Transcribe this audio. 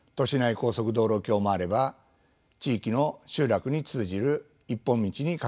高速道路橋もあれば地域の集落に通じる１本道に架かる橋もあります。